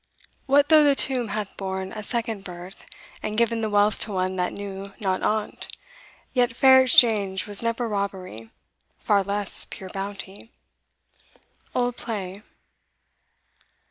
What though the tomb hath borne a second birth, And given the wealth to one that knew not on't, Yet fair exchange was never robbery, Far less pure bounty Old Play.